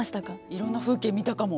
いろんな風景見たかも。